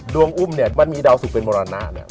อุ้มเนี่ยมันมีดาวสุกเป็นมรณะเนี่ย